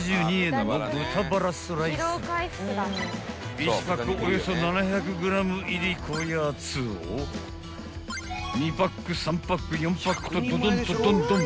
［１パックおよそ７００ｇ入りこやつを２パック３パック４パックとドドンとドンドン］